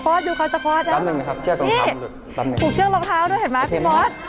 พอสดูเขาสกอตนะครับนี่ปลูกเชื้อลองเท้าด้วยเห็นไหมพี่พอสพอส